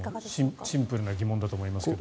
シンプルな疑問だと思いますが。